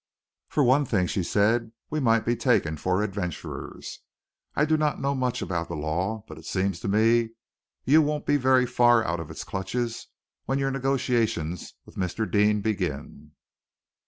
"For one thing," she said, "we might be taken for adventurers. I do not know much about the law, but it seems to me you won't be very far out of its clutches when your negotiations with Mr. Deane begin."